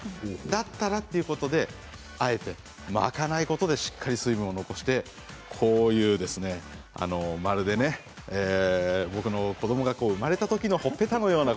だったらということで、あえて巻かないことでしっかり水分を残してこのような、まるで僕の子どもが産まれた時のようなほっぺたのような。